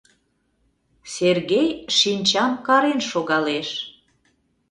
Сергей шинчам карен шогалеш.